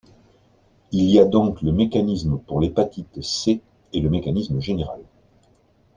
Il y a donc le mécanisme pour l’hépatite C et le mécanisme général.